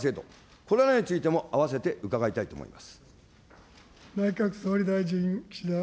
これらについても併せて伺いたいと思います。